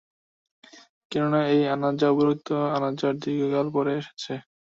কেননা, এই আনাযা উপরোক্ত আনাযার দীর্ঘকাল পরে এসেছে।